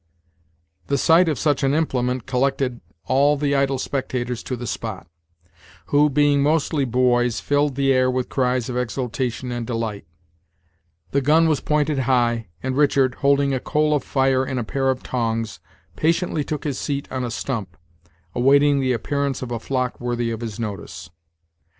The sight of such an implement collected all the idle spectators to the spot, who, being mostly boys, filled the air with cries of exultation and delight The gun was pointed high, and Richard, holding a coal of fire in a pair of tongs, patiently took his seat on a stump, awaiting the appearance of a flock worthy of his notice.